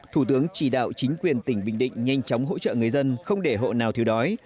thủ tướng chỉ đạo chính quyền tỉnh bình định nhanh chóng hỗ trợ người dân không để hộ nào thiếu đói